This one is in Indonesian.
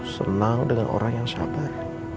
senang dengan orang yang sabar